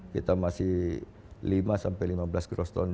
kita masih lima sampai lima belas groston